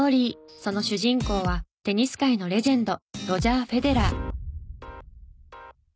その主人公はテニス界のレジェンドロジャー・フェデラー。